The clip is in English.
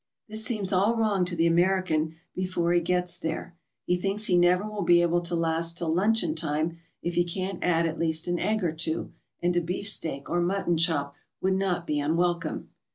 This seems all wrong to the American before he gets there. He thinks he never will be able to last till luncheon time if he can't add >at least an egg or two, and a beefsteak or mutton choip would not be unwelcome.